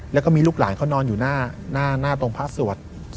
แล้วก็มีลูกหลานเขานอนอยู่หน้าตรงภาษาวรรดิสวทธิ์